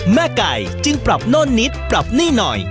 แม่ไก่จึงปรับโน่นนิดปรับหนี้หน่อย